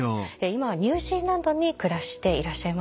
今はニュージーランドに暮らしていらっしゃいます。